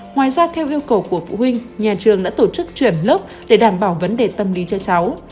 ngoài ra theo yêu cầu của phụ huynh nhà trường đã tổ chức chuyển lớp để đảm bảo vấn đề tâm lý cho cháu